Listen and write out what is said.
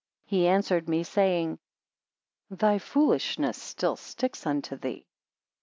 He answered me, saying; Thy foolishness still sticks unto thee.